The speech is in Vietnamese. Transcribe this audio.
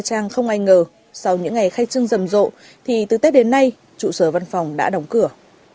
trang không ai ngờ sau những ngày khai trương rầm rộ thì từ tết đến nay trụ sở văn phòng đã đóng cửa